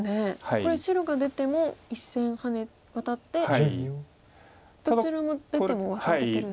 これ白が出ても１線ハネワタってどちら出てもワタれてるんですね。